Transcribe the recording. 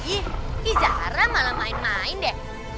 ih ki zara malah main main deh